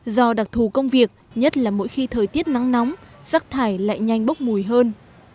do đặc thù công việc nhất là mỗi khi thời tiết nắng nóng rắc thải lại nhanh bốc mùi hơn